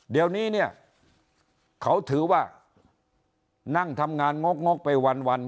เดี๋ยวนี้เนี่ยเขาถือว่านั่งทำงานงกงกไปวัน